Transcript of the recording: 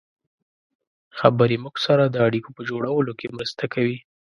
خبرې موږ سره د اړیکو په جوړولو کې مرسته کوي.